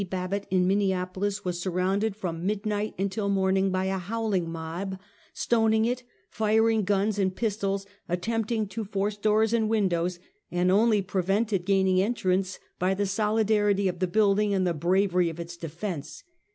Babbitt, in Minneapolis, was surrounded from midnight until morning by a howling mob, stoning it, firing guns and pistols, attempting to force doors and windows, and only prevented gaining entrance by the solidity of the building and the bravery of its defense.